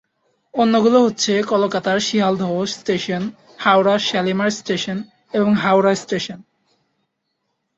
অন্যগুলো হচ্ছে কলকাতার শিয়ালদহ স্টেশন, হাওড়ার শালিমার স্টেশন এবং হাওড়া স্টেশন।